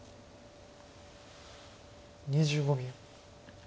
２５秒。